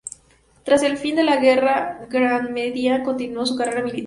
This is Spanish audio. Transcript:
Tras el fin de la guerra, Garmendia continuó su carrera militar.